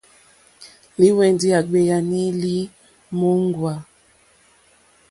Lìhwɛ̀ndì á gbēánì lì mòóŋwà.